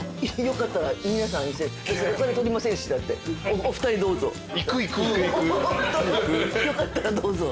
よかったらどうぞ。